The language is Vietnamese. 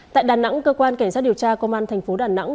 tại đà nẵng cơ quan cảnh sát điều tra công an tp đà nẵng